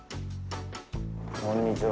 こんにちは。